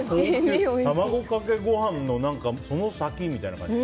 卵かけご飯のその先みたいな感じ。